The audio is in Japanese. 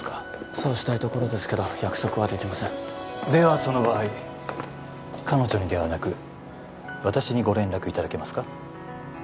そうしたいところですけど約束はできませんではその場合彼女にではなく私にご連絡いただけますか？